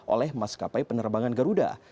oleh maskapai penerbangan garuda